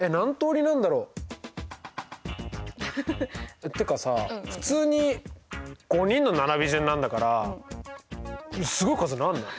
えってかさ普通に５人の並び順なんだからすごい数になんない？